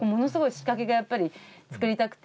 仕掛けがやっぱり作りたくて。